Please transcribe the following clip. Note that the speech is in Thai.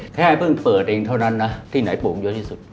แค่เพิ่งเปิดเองเท่านั้นนะที่ไหนปลูกเยอะที่สุด